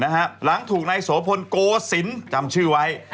หลังถูกนายโสพลโกศิลป์จำชื่อไว้